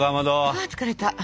ああ疲れた。